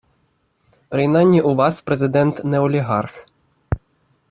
Принаймні у Вас Президент не олігарх.